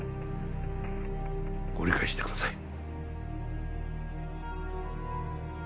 ご理解してください。